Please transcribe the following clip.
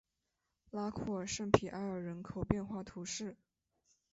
拉库尔圣皮埃尔人口变化图示